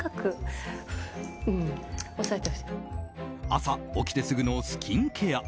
朝起きてすぐのスキンケア。